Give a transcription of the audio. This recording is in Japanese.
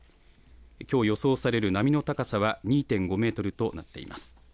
きょう予想される波の高さは２．５メートルとなっています。